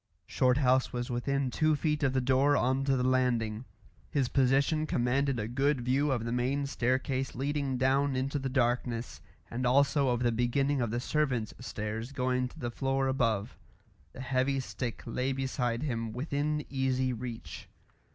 Shorthouse was within two feet of the door on to the landing; his position commanded a good view of the main staircase leading down into the darkness, and also of the beginning of the servants' stairs going to the floor above; the heavy stick lay beside him within easy reach.